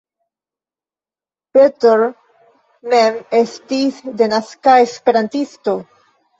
Petr mem estis denaska esperantisto.